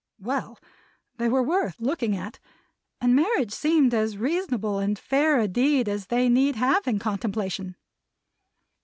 Well! They were worth looking at. And marriage seemed as reasonable and fair a deed as they need have in contemplation.